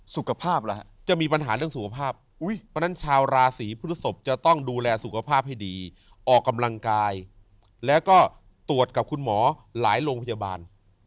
สุขภาพและจะมีปัญหาดังสุขภาพไปคุณศพจะต้องดูแลสุขภาพให้ดีออกกำลังกายและก็ตรวจกับคุณมอห์หลายโรงพยาบาล